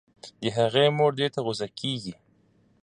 د هغې مور دې ته غو سه کيږي